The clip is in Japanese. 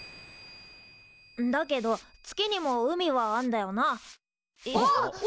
んだけど月にも海はあんだよな？